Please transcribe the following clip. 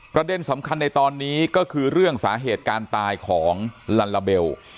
ประเด็นสำคัญในตอนนี้ก็คือเรื่องสาเหตุการตายของลัลลาเบล